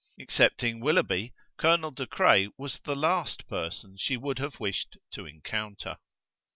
Excepting Willoughby, Colonel De Craye was the last person she would have wished to encounter.